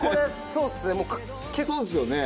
そうですよね。